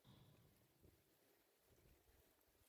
افغانستان ختیځو ولایتونو ته رسمي سفر وو.